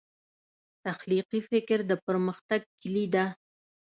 تخلیقي فکر د پرمختګ کلي دی.